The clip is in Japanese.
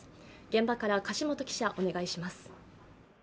現場から樫元記者、お願いします。